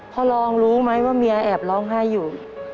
พ่อรองรู้ไหมว่าเมียแอบร้องไห้อยู่